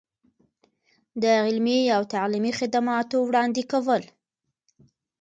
د علمي او تعلیمي خدماتو وړاندې کول.